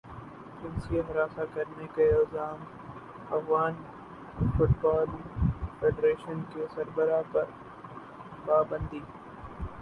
جنسی ہراساں کرنے کا الزام افغان فٹبال فیڈریشن کے سربراہ پر پابندی